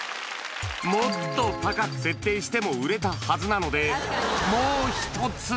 もっと高く設定しても売れたはずなので、もう１つ。